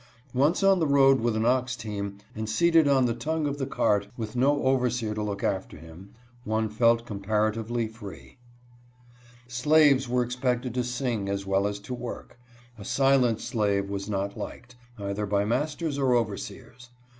Once on the road with an ox team, and seated on the APPAEENT CHEERFULNESS OF SLAVES. 61 tongue of the cart, with no overseer to look after him, one felt comparatively free. Slaves were expected to sing as well as to work. A silent slave was not liked, either by masters or overseers.